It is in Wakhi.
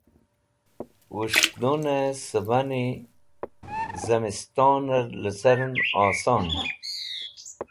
Wẽs̃hdunẽ sẽbani zẽmistonẽr lẽceren oson.